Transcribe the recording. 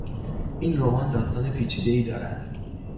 این رمان داستان پیچیدهای دارد.